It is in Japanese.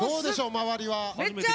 周りは。